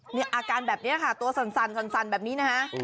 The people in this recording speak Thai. มีอาการแบบนี้ค่ะตัวสั่นแบบนี้นะฮะ